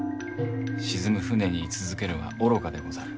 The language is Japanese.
沈む船に居続けるは愚かでござる。